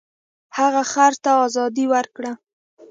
هغه خر ته ازادي ورکړه.